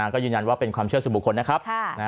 ก็ยืนยันว่าเป็นความเชื่อสู่บุคคลนะครับ